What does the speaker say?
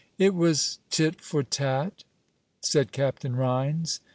"It was tit for tat," said Captain Rhines.